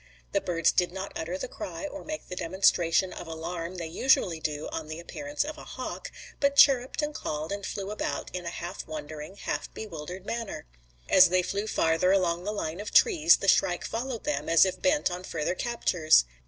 The birds did not utter the cry or make the demonstration of alarm they usually do on the appearance of a hawk, but chirruped and called and flew about in a half wondering, half bewildered manner. As they flew farther along the line of trees the shrike followed them as if bent on further captures.